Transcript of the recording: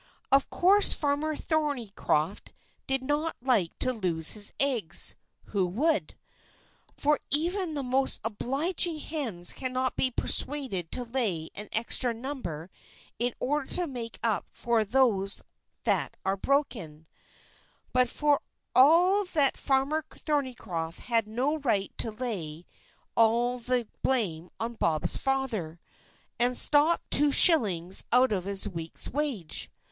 Of course Farmer Thornycroft did not like to lose his eggs who would? for even the most obliging hens cannot be persuaded to lay an extra number in order to make up for those that are broken; but for all that Farmer Thornycroft had no right to lay all the blame on Bob's father, and stop two shillings out of his week's wage.